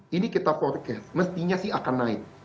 ini kita forecast mestinya sih akan naik